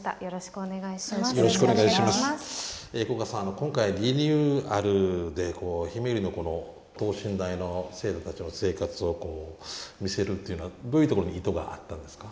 今回リニューアルでひめゆりのこの等身大の生徒たちの生活を見せるというのはどういうところに意図があったんですか？